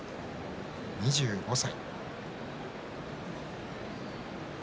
２５歳。